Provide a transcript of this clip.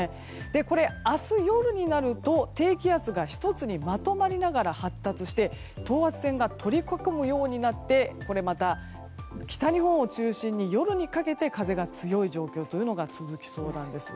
これが明日夜になると低気圧が１つにまとまりながら発達して等圧線が取り囲むようになってこれまた北日本を中心に夜にかけて風が強い状況が続きそうなんです。